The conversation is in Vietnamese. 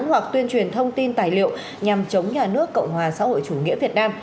hoặc tuyên truyền thông tin tài liệu nhằm chống nhà nước cộng hòa xã hội chủ nghĩa việt nam